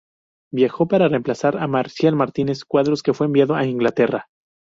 Viajó para reemplazar a Marcial Martínez Cuadros que fue enviado a Inglaterra.